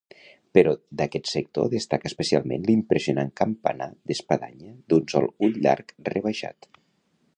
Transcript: Però d'aquest sector destaca especialment l'impressionant campanar d'espadanya d'un sol ull d'arc rebaixat.